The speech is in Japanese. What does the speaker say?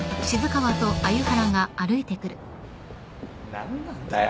何なんだよ